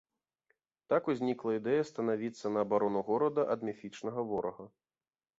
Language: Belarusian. Так узнікла ідэя станавіцца на абарону горада ад міфічнага ворага.